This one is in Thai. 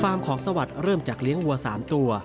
ของสวัสดิ์เริ่มจากเลี้ยงวัว๓ตัว